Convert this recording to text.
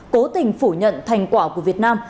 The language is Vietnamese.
cố tình phủ nhận thành quả của việt nam